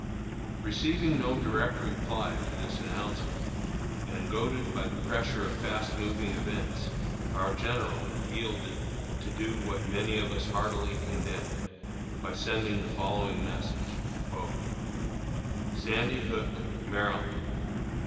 Receiving no direct reply to this announcement, and goaded by the pressure of fast moving events, our General yielded to do what many of us heartily condemn, by sending the following message: SANDY HOOK, MD.